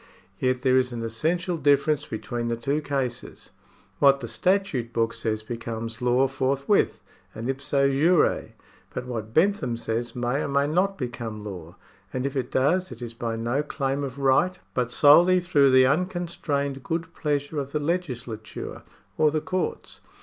Yet there is an essential difference between the two cases. I § 45] THE SOURCES OF LAW 119 What the statute book says becomes law forthwith and ipso jure ; but what Bentham says may or may not become law, and if it does, it is by no claim of right but solely through the unconstrained good pleasure of the legislature or the courts.